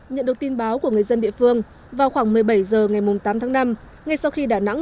nhận được tin báo của người dân địa phương vào khoảng một mươi bảy h ngày tám tháng năm ngay sau khi đà nẵng